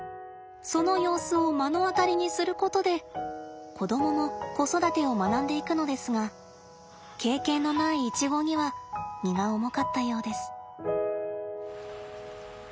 その様子を目の当たりにすることで子供も子育てを学んでいくのですが経験のないイチゴには荷が重かったようです。